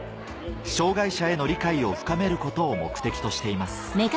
障がい者への理解を深めることを目的としています